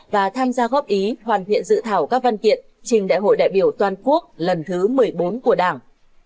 và tham gia góp ý hoàn thiện dự thảo các văn kiện trình đại hội đại biểu toàn quốc lần thứ một mươi bốn của đảng